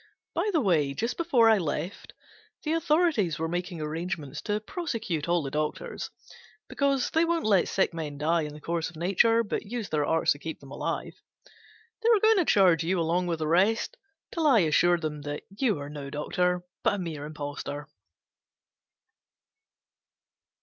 By the way, just before I left, the authorities were making arrangements to prosecute all the doctors, because they won't let sick men die in the course of nature, but use their arts to keep them alive. They were going to charge you along with the rest, till I assured them that you were no doctor, but a mere impostor."